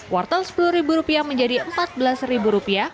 wortel rp sepuluh menjadi rp empat belas